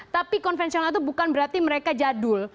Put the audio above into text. tapi konvensional itu bukan berarti mereka jadul